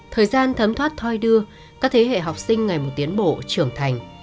thời gian thấm thoát thoi đưa các thế hệ học sinh ngày một tiến bộ trưởng thành